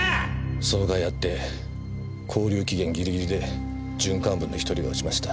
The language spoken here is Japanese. その甲斐あって拘留期限ギリギリで準幹部の１人が落ちました。